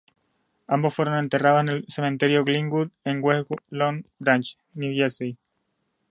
Ambos fueron enterrados en el Cementerio Glenwood en West Long Branch, Nueva Jersey.